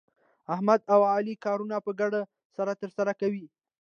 احمد او علي کارونه په ګډه سره ترسره کوي.